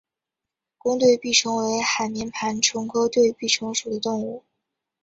弓对臂虫为海绵盘虫科对臂虫属的动物。